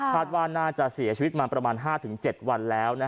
ว่าน่าจะเสียชีวิตมาประมาณ๕๗วันแล้ว